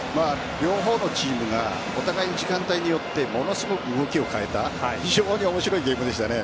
両方のチームがお互いに時間帯によってものすごく動きを変えた非常に面白いゲームでしたね。